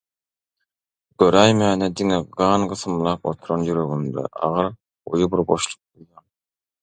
Göräýmäne diňe gan gysymlap oturan ýüregimde agyr, goýy bir boşluk duýýan.